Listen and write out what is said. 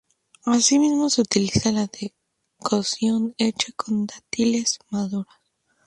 Asimismo, se utiliza la decocción hecha con dátiles maduros.